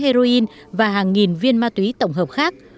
heroin và hàng nghìn viên ma túy tổng hợp khác